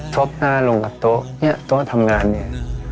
บหน้าลงกับโต๊ะเนี่ยโต๊ะทำงานเนี่ย